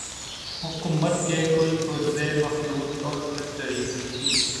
حکومت کے کل پرزے مفلوج اور پولیس ڈری ہوئی تھی۔